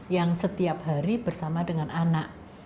yang setiap hari bersama dengan anak